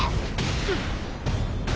うっ！